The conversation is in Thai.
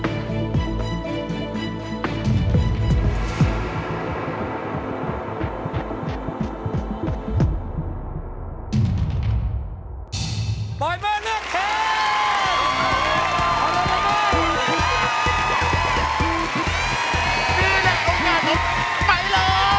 นี่แหละโอกาสผมไปเลย